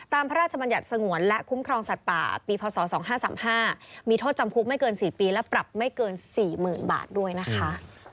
พระราชบัญญัติสงวนและคุ้มครองสัตว์ป่าปีพศ๒๕๓๕มีโทษจำคุกไม่เกิน๔ปีและปรับไม่เกิน๔๐๐๐บาทด้วยนะคะ